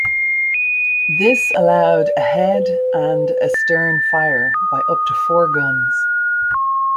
This allowed ahead and astern fire by up to four guns.